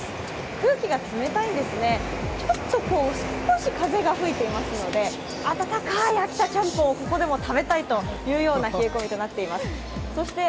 空気が冷たいですね、少し風が吹いていますので暖かい秋田チャンポンをここでも食べたいという冷え込みになっています。